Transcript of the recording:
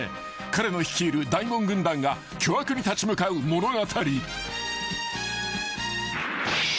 ［彼の率いる大門軍団が巨悪に立ち向かう物語］